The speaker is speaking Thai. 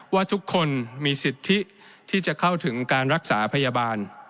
ว่าทุกคนมีสิทธิที่จะเข้าถึงการรักษาพยาบาล